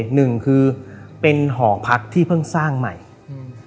หนึ่งคือเป็นหอพักที่เพิ่งสร้างใหม่อืม